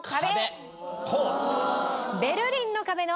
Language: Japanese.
ベルリンの壁の。